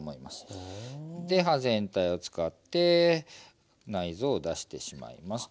で刃全体を使って内臓を出してしまいます。